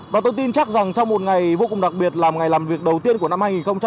và tôi tin chắc rằng trong một ngày vô cùng đặc biệt là một ngày làm việc đầu tiên của năm hai nghìn một mươi chín